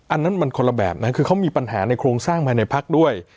อันนั้นมันคนละแบบนะคือเขามีปัญหาในโครงสร้างภายในพักด้วย